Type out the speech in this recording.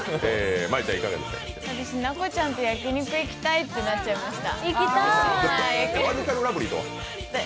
私、奈子ちゃんと焼き肉行きたいってなっちゃいました。